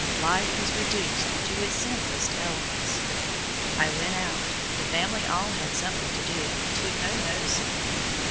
Life was reduced to its simplest elements. I went out; the family all had something to do, and took no notice of me.